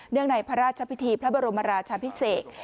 เนื่องไหนพระราชพิธีพระบรมราชาพิเศก